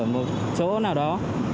một chỗ nào đó